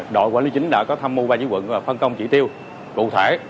đội quản lý chính đã có thăm mưu ba chiếc quận và phân công chỉ tiêu cụ thể